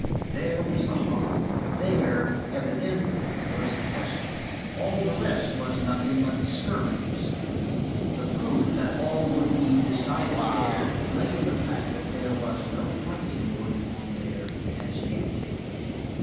There was the hearth; there, evidently, was the question. All the rest was nothing but skirmishes. The proof that all would be decided there lay in the fact that there was no fighting going on there as yet.